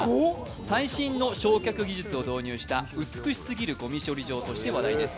最新の焼却技術を使った美しすぎるゴミ処理施設として有名です。